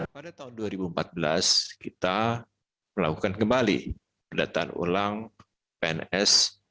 pada tahun dua ribu empat belas kita melakukan kembali pendataan ulang pns